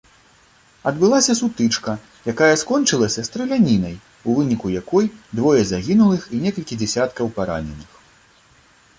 Адбылася сутычка, якая скончылася стралянінай, у выніку якой двое загінулых і некалькі дзесяткаў параненых.